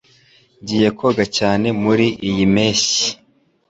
Ngiye koga cyane muriyi mpeshyi.